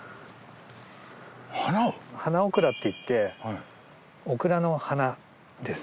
花オクラって言ってオクラの花です。